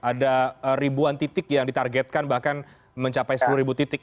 ada ribuan titik yang ditargetkan bahkan mencapai sepuluh ribu titik